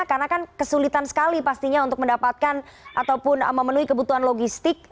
karena kan kesulitan sekali pastinya untuk mendapatkan ataupun memenuhi kebutuhan logistik